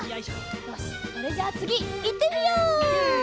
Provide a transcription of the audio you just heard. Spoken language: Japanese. よしそれじゃあつぎいってみよう！